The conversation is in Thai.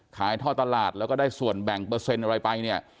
ท่อตลาดแล้วก็ได้ส่วนแบ่งเปอร์เซ็นต์อะไรไปเนี่ย